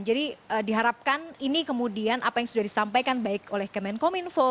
jadi diharapkan ini kemudian apa yang sudah disampaikan baik oleh kemenkominfo